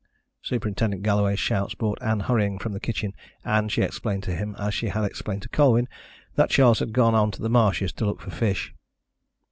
Superintendent Galloway's shouts brought Ann hurrying from the kitchen, and she explained to him, as she had explained to Colwyn, that Charles had gone on to the marshes to look for fish.